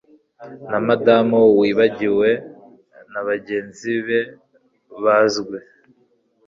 Na Madamu wibagiwe nabagenzi be bazwi